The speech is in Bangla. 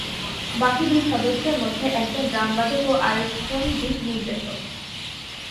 বাকি দুই সদস্যের মাঝে একজন ড্রাম বাদক এবং একজন দিক নির্দেশক।